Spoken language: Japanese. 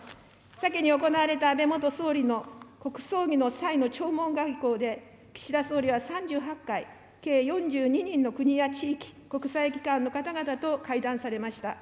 先に行われた安倍元総理の国葬儀の際の弔問外交で、岸田総理は３８回、計４２人の国や地域、国際機関の方々と会談されました。